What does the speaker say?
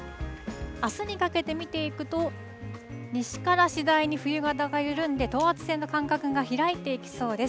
あすにかけて見ていくと、西から次第に冬型が緩んで、等圧線の間隔が開いていきそうです。